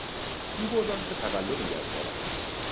بو بردم که تقلبی در کار است.